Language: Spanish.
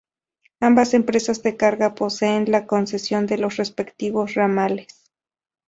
Ambas empresas de carga poseen la concesión de los respectivos ramales.